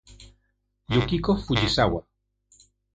Yukiko Fujisawa